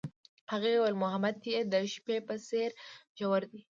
هغې وویل محبت یې د شپه په څېر ژور دی.